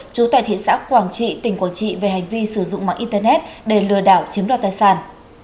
trú tại thị xã quảng trị tỉnh quảng trị về hành vi sử dụng mạng internet để lừa đảo chiếm đoạt tài sản